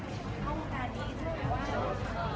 แล้วก็อย่างว่าจะเป็นคนพูดลง